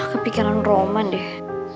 kepikiran roman deh